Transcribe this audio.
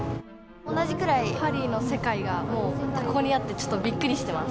同じくらいハリーの世界が、もうここにあって、ちょっとびっくりしてます。